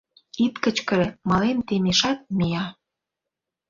— Ит кычкыре, мален темешат, мия!